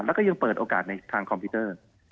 แล้วก็ยังเปิดโอกาสในทางคอมพิวเตอร์